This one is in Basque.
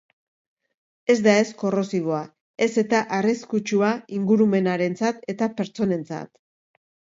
Ez da ez korrosiboa, ez eta arriskutsua ingurumenarentzat eta pertsonentzat.